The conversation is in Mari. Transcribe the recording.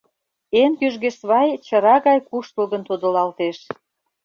Эн кӱжгӧ свай чыра гай куштылгын тодылалтеш.